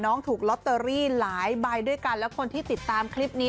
ถูกลอตเตอรี่หลายใบด้วยกันแล้วคนที่ติดตามคลิปนี้